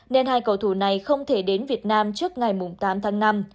nên hai cầu thủ này không thể đến việt nam trước ngày tám tháng năm